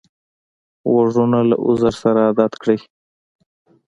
غوږونه له عذر سره عادت کړی